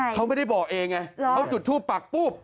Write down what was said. เขาไม่ได้บอกเองไงเขาจุดทูปปักปุ๊บ